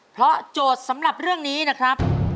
เพราะโจทย์สำหรับเรื่องนี้นะครับ